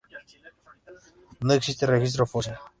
No existe registro fósil.